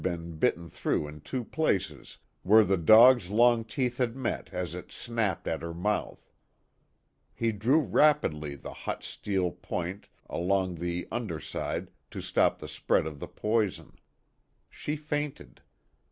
been bitten through in two places where the dog's long teeth had met as it snapped at her mouth ; he drew rapidly the hot steel point along the under side to stop the spread of the poison. She fainted.